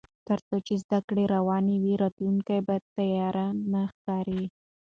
تر څو چې زده کړه روانه وي، راتلونکی به تیاره نه ښکاري.